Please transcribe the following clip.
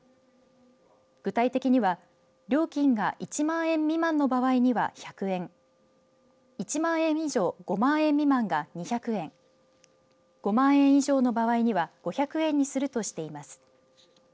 具体的には料金が１万円未満の場合には１００円１万円以上５万円未満が２００円５万円以上の場合には５００円にするとしています。